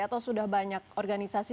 atau sudah banyak organisasi